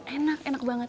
enak enak banget